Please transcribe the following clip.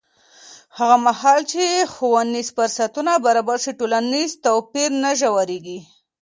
هغه مهال چې ښوونیز فرصتونه برابر شي، ټولنیز توپیر نه ژورېږي.